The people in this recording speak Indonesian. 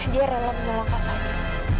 dia rela menolong kak fadil